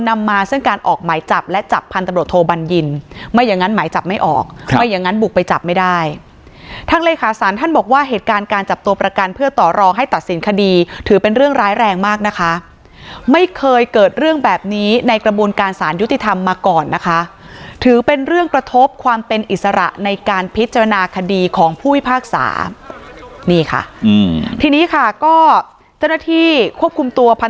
ไม่อย่างงั้นบุกไปจับไม่ได้ทางเลขาศาลท่านบอกว่าเหตุการณ์การจับตัวประกันเพื่อต่อรองให้ตัดสินคดีถือเป็นเรื่องร้ายแรงมากนะคะไม่เคยเกิดเรื่องแบบนี้ในกระบวนการศาลยุติธรรมมาก่อนนะคะถือเป็นเรื่องกระทบความเป็นอิสระในการพิจารณาคดีของผู้วิพากษานี่ค่ะอืมทีนี้ค่ะก็เจ้าหน้าที่ควบคุมตัวพัน